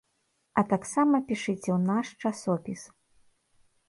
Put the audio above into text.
А таксама пішыце ў наш часопіс.